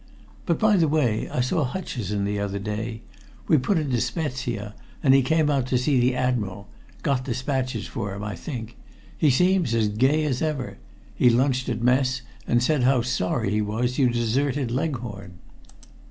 But, by the way, I saw Hutcheson the other day. We put into Spezia, and he came out to see the Admiral got despatches for him, I think. He seems as gay as ever. He lunched at mess, and said how sorry he was you'd deserted Leghorn."